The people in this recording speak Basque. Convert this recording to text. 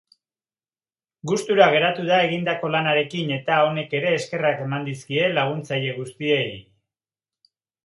Gustura geratu da egindako lanarekin eta honek ere eskerrak eman dizkie laguntzaile guztiei.